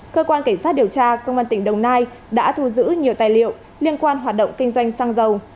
cơ quan cảnh sát điều tra công an tỉnh đồng nai đã thu giữ nhiều tài liệu liên quan hoạt động kinh doanh xăng dầu